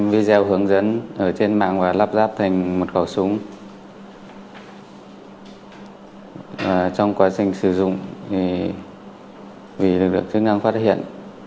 vì lực lượng chức năng phát hiện